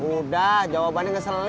udah jawabannya ngeselin